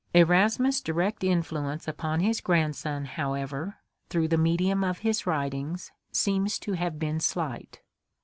Erasmus' direct influence upon his grandson, however, through the medium of his writings, seems to have been slight.